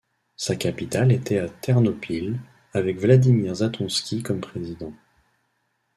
Sa capitale était à Ternopil, avec Vladimir Zatonsky comme président.